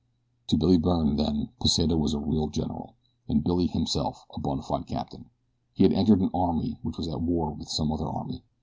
To Billy Byrne, then, Pesita was a real general, and Billy, himself, a bona fide captain. He had entered an army which was at war with some other army.